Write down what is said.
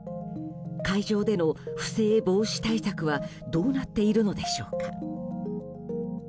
会場での不正防止対策はどうなっているのでしょうか。